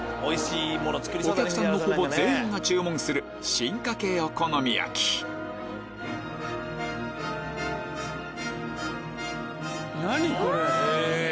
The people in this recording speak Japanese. お客さんのほぼ全員が注文する進化系お好み焼き何これ！